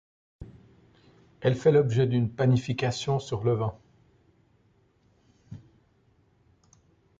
Elle fait l'objet d'une panification sur levain.